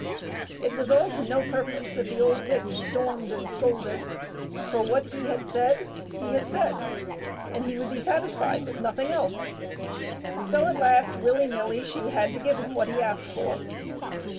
It was all to no purpose that the old witch stormed and scolded, for what he had said he had said, and he would be satisfied with nothing else. So at last, willy nilly, she had to give him what he asked for.